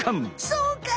そうか！